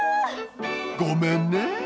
ごめんね